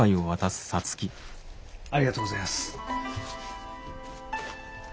ありがとうございます。